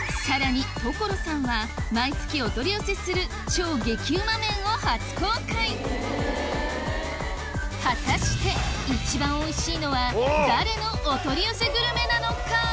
さらに所さんは毎月お取り寄せする超激ウマ麺を初公開果たして一番おいしいのは誰のお取り寄せグルメなのか？